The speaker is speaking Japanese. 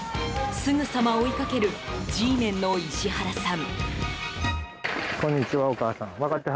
すぐさま追いかけるＧメンの石原さん。